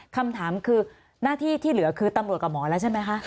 คำถามคือหน้าที่ที่เหลือคือตำรวจกับหมอแล้วใช่ไหมคะ